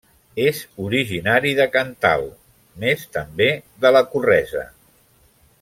És originari de Cantal mes també de la Corresa.